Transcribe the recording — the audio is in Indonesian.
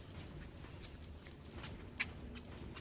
senang aja ini urusan kita berdua